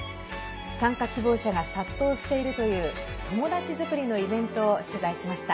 参加希望者が殺到しているという友達作りのイベントを取材しました。